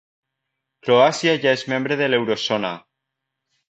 Croàcia ja és membre de l'Eurozona.